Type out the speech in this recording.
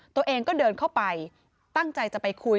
ตัวเองก็เดินเข้าไปตั้งใจจะไปคุย